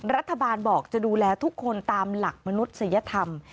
รัฐบาลบอกจะดูแลทุกคนตามหลักมนุษยธรรม